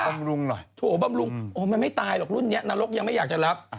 บำรุงหน่อยโถบำรุงโอ้มันไม่ตายหรอกรุ่นนี้นรกยังไม่อยากจะรับ